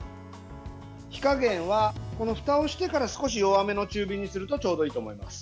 火加減は、ふたをしてから少し弱めの中火にするとちょうどいいと思います。